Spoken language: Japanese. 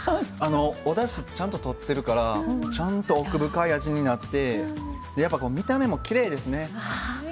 おだし、ちゃんととってるからちゃんと奥深い味になって見た目も、きれいですね。